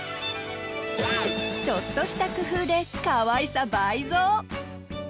ちょっとした工夫でかわいさ倍増！